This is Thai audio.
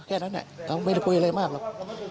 แค่นั้นเราไม่ได้คุยอะไรมากหรอก